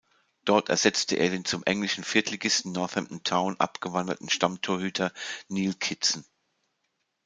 Dort ersetzte er den zum englischen Viertligisten Northampton Town abgewanderten Stammtorhüter Neal Kitson.